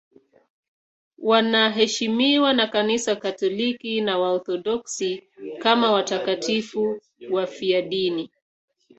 Wanaheshimiwa na Kanisa Katoliki na Waorthodoksi kama watakatifu wafiadini.